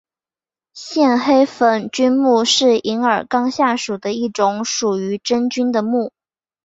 线黑粉菌目是银耳纲下属的一种属于真菌的目。